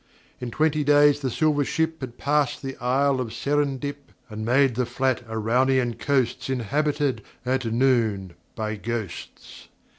In twenty days the silver ship Had passed the Isle of Serendip, And made the flat Araunian coasts Inhabited, at noon, by Ghosts.